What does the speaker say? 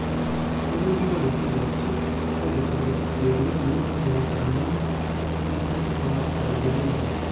Ma yugi baba-s ad s-tt-ifk, ad ixelleṣ s yidrimen azal n teɛmamt i ttaken ɣef tɛezriyin.